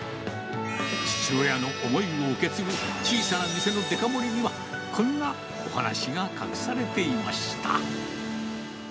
父親の思いを受け継ぐ小さな店のデカ盛りには、こんなお話が隠されていました。